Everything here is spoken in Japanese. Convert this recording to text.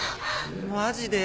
マジで！？